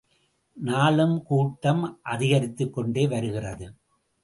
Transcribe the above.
நாளும் கூட்டம் அதிகரித்துக் கொண்டு வருகிறது.